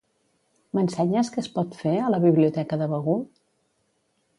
M'ensenyes què es pot fer a la biblioteca de Begur?